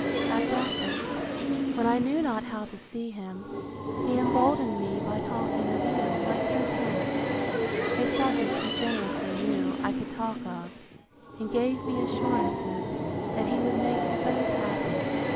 At breakfast, when I knew not how to see him, he emboldened me by talking of you, my dear parents; a subject, he generously knew, I could talk of: and gave me assurances, that he would make you both happy.